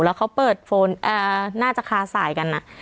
แล้วเขาเปิดโฟนเอ่อน่าจะคาสายกันน่ะ